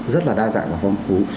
rất là đa dạng và phong phú